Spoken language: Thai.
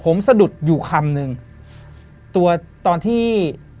ผมสะดุดอยู่คำนึงตัวตอนที่